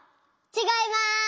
ちがいます。